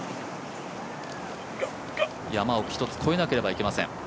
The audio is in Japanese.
山を一つ越えなければいけません。